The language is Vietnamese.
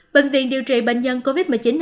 bệnh viện điều trị bệnh nhân covid một mươi chín